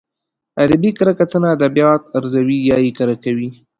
ادبي کره کتنه ادبيات ارزوي يا يې کره کوي.